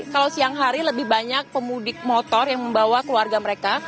kalau siang hari lebih banyak pemudik motor yang membawa keluarga mereka